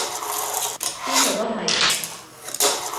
邊度都係！